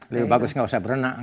lebih bagus nggak usah berenang